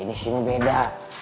ini sim nya beda